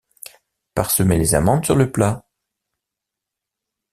Parsemer les amandes sur le plat.